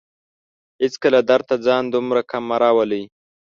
هيڅکله درد ته ځان دومره کم مه راولئ